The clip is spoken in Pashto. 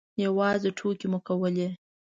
یوازې ټوکې مو کولې.